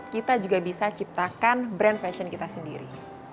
kita juga bisa ciptakan brand fashion kita sendiri